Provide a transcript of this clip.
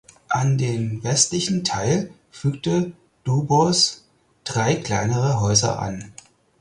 An den westlichen Teil fügte Dubose drei kleinere Häuser an.